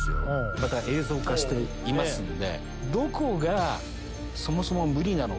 また映像化していますんで。